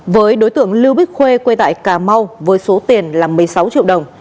với đối tượng lưu bích khuê quê tại cà mau với số tiền là một mươi sáu triệu đồng